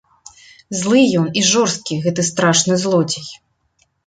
Злы ён і жорсткі, гэты страшны злодзей.